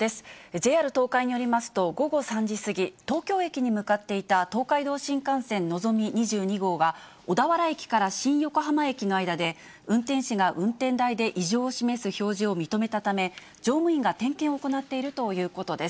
ＪＲ東海によりますと、午後３時過ぎ、東京駅に向かっていた東海道新幹線のぞみ２２号は、小田原駅から新横浜駅の間で、運転士が運転台で異常を示す表示を認めたため、乗務員が点検を行っているということです。